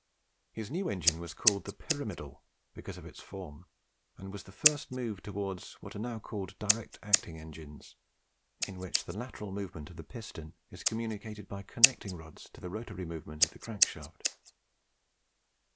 His new engine was called the Pyramidal, because of its form, and was the first move towards what are now called Direct acting Engines, in which the lateral movement of the piston is communicated by connecting rods to the rotatory movement of the crank shaft.